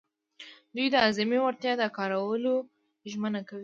دوی د اعظمي وړتیا د کارولو ژمنه کوي.